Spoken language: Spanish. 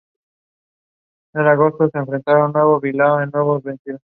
En sus pinturas predominaba la naturaleza muerta y el retrato.